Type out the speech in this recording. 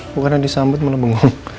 bukannya disambut malah bengong